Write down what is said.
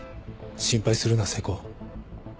心配するな瀬古。